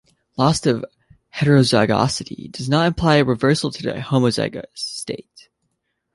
Loss of heterozygosity does not imply a reversal to the homozygous state.